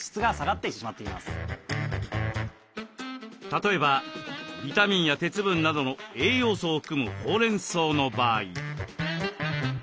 例えばビタミンや鉄分などの栄養素を含むほうれんそうの場合。